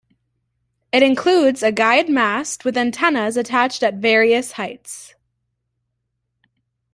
It includes a guyed mast with antennas attached at various heights.